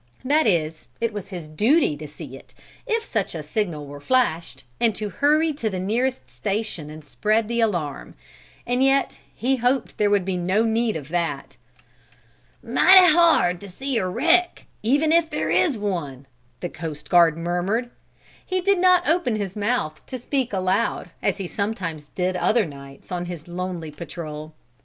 That is, it was his duty to see it, if such a signal were flashed, and to hurry to the nearest station and spread the alarm. And yet he hoped there would be no need of that. "Mighty hard to see a wreck, even if there is one," the coast guard murmured. He did not open his mouth to speak aloud, as he sometimes did other nights, on his lonely patrol.